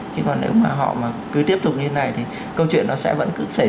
chứ còn nếu mà họ mà cứ tiếp tục như thế này thì câu chuyện nó sẽ vẫn cứ xảy ra